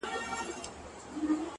گراني رڼا مه كوه مړ به مي كړې;